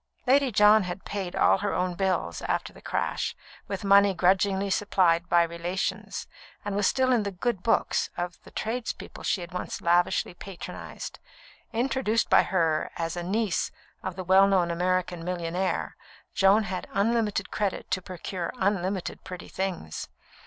Lady John had paid all her own bills after the crash, with money grudgingly supplied by relations, and was still in the "good books" of the tradespeople she had once lavishly patronised. Introduced by her as a niece of the well known American millionaire, Joan had unlimited credit to procure unlimited pretty things.